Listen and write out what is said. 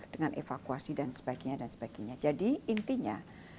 dengan evakuasi dan sebagainya dan sebagainya jadi intinya